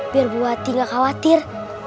biar buati gak khawatir